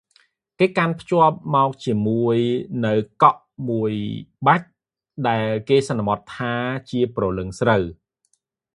គេកាន់ភ្ជាប់មកជាមួយនូវកក់មួយបាច់ ដែលគេសន្មត ថាជា ព្រលឹងស្រូវ។